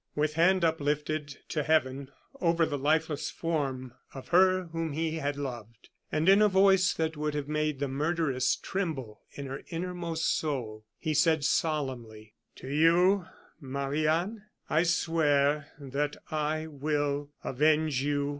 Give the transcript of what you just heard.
With hand uplifted to heaven over the lifeless form of her whom he had loved, and in a voice that would have made the murderess tremble in her innermost soul, he said, solemnly: "To you, Marie Anne, I swear that I will avenge you!"